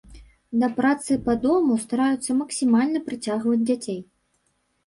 Да працы па дому стараюцца максімальна прыцягваць дзяцей.